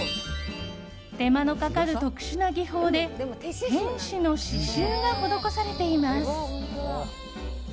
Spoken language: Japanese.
手間のかかる特殊な技法で天使の刺しゅうが施されています。